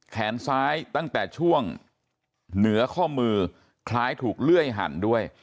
แขนซ้ายตั้งแต่ช่วงเหนือข้อมือคล้ายถูกเลื่อยหั่นด้วย